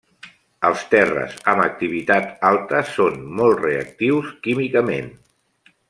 Els terres amb activitat alta són molt reactius químicament.